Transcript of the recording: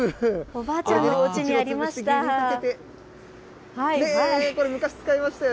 おばあちゃんのおうちにありました。